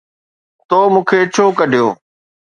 تو مون کي ڇو ڪڍيو؟